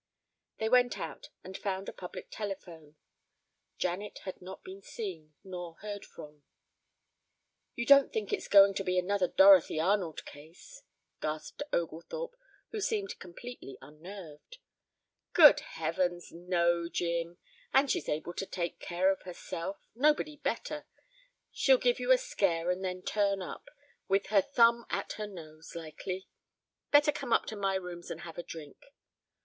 They went out and found a public telephone. Janet had not been seen nor heard from. "You don't think it's going to be another Dorothy Arnold case?" gasped Oglethorpe, who seemed completely unnerved. "Good Heavens no, Jim! And she's able to take care of herself. Nobody better. She'll give you a scare and then turn up with her thumb at her nose, likely. Better come up to my rooms and have a drink."